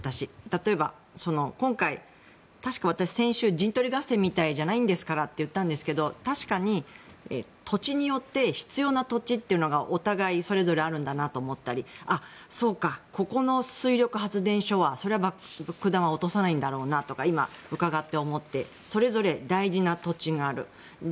例えば、今回確か私、先週陣取り合戦みたいじゃないんですからって言ったんですけど、確かに土地によって必要な土地がお互い、それぞれあるんだなと思ったりここの水力発電所は今は落とさないんだろうなとかそれぞれ大事な土地がある。